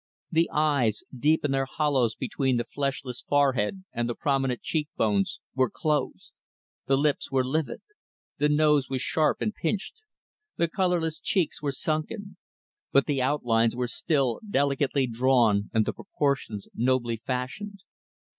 The eyes, deep in their hollows between the fleshless forehead and the prominent cheek bones, were closed; the lips were livid; the nose was sharp and pinched; the colorless cheeks were sunken; but the outlines were still delicately drawn and the proportions nobly fashioned.